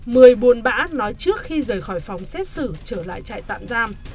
mười buồn bã nói trước khi rời khỏi phòng xét xử trở lại trại tạm giam